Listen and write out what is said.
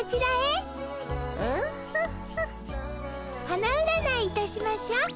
花うらないいたしましょ。